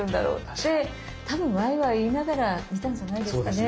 って多分ワイワイ言いながら見たんじゃないですかね。